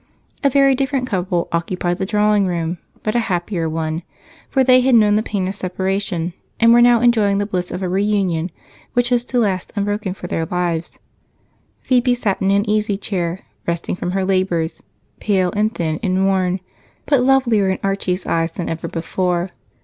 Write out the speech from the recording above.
A very different couple occupied the drawing room, but a happier one, for they had known the pain of separation and were now enjoying the bliss of a reunion which was to last unbroken for their lives. Phebe sat in an easy chair, resting from her labors, pale and thin and worn, but lovelier in Archie's eyes than ever before.